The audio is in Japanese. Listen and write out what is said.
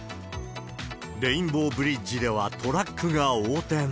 レインボーブリッジではトラックが横転。